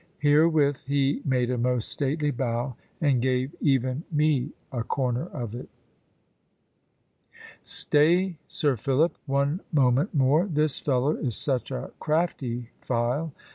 Herewith he made a most stately bow, and gave even me a corner of it. "Stay, Sir Philip; one moment more. This fellow is such a crafty file.